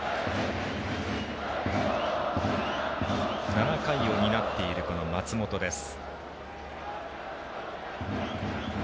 ７回を担っているこの松本です。